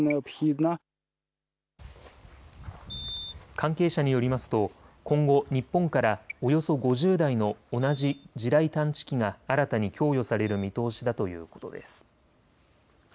関係者によりますと今後、日本からおよそ５０台の同じ地雷探知機が新たに供与される見通しだということです。